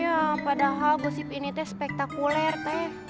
ya padahal gosip ini teh spektakuler teh